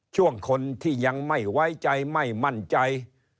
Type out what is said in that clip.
ช่วงคนที่ยังไม่ไว้ใจไม่มั่นใจ